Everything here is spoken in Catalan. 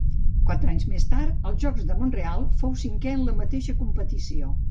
Quatre anys més tard, als Jocs de Mont-real, fou cinquè en la mateixa competició.